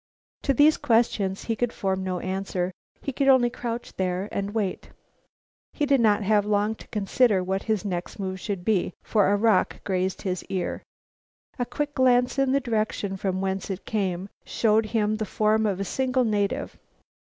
To these questions he could form no answer. He could only crouch there and wait. He did not have long to consider what his next move should be, for a rock grazed his ear. A quick glance in the direction from whence it came showed him the form of a single native.